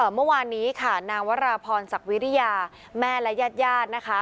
เมื่อวานนี้ค่ะนางวราพรศักดิริยาแม่และญาติญาตินะคะ